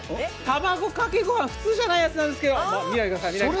卵かけごはん普通じゃないやつですけど。